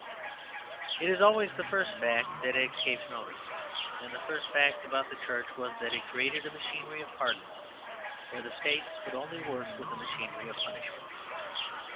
It is always the first fact that escapes notice; and the first fact about the Church was that it created a machinery of pardon, where the State could only work with a machinery of punishment.